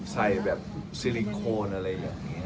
ใส่แบบซิลิโคนอะไรอย่างนี้